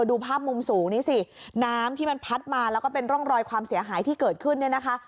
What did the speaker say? ดูภาพมุมสูงนี้สิน้ำที่มันพัดมาแล้วก็เป็นร่องรอยความเสียหายที่เกิดขึ้นเนี่ยนะคะ